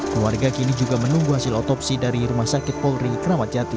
keluarga kini juga menunggu hasil otopsi dari rumah sakit polri keramat jati